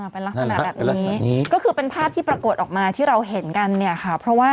เป็นลักษณะแบบนี้ก็คือเป็นภาพที่ปรากฏออกมาที่เราเห็นกันเนี่ยค่ะเพราะว่า